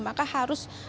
maka harus ada koordinasi